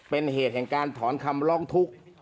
เป็นเหตุแห่งการถอนคำร้องทุกข์